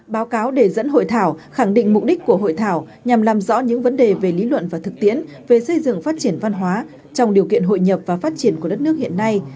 báo cáo đề dẫn hội thảo khẳng định mục đích của hội thảo nhằm làm rõ những vấn đề về lý luận và thực tiễn về xây dựng phát triển văn hóa trong điều kiện hội nhập và phát triển của đất nước hiện nay